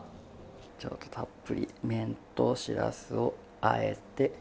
じゃあたっぷり麺としらすをあえて。